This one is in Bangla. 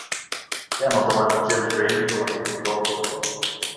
কেন তোমার নিজের ব্রেইনই তোমাকে নিপীড়ন করত?